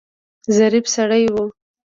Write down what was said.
ظریف سړی و.